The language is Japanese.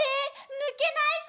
ぬけないぞ！！」